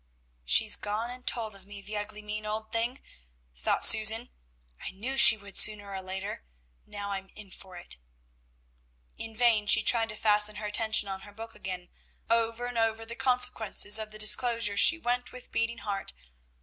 "She's gone and told of me, the ugly, mean, old thing," thought Susan. "I knew she would sooner or later. Now I'm in for it!" In vain she tried to fasten her attention on her book again. Over and over the consequences of the disclosure she went with beating heart.